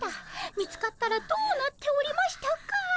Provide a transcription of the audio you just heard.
見つかったらどうなっておりましたか。